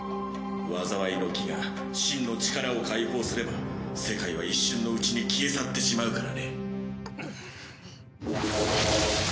災いの樹が真の力を解放すれば世界は一瞬のうちに消え去ってしまうからね。